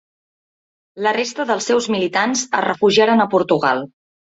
La resta dels seus militants es refugiaren a Portugal.